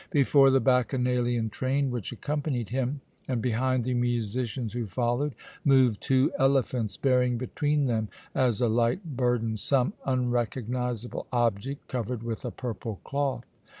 Before the bacchanalian train which accompanied him, and behind the musicians who followed, moved two elephants bearing between them, as a light burden, some unrecognizable object covered with a purple cloth.